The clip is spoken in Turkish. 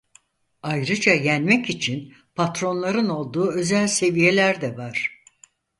Ayrıca yenmek için patronların olduğu özel seviyeler de var.